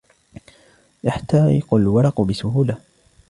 يحترق الورق بسهوله.